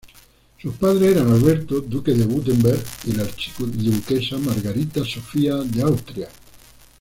Sus padres eran Alberto, duque de Wurtemberg y la archiduquesa Margarita Sofía de Austria.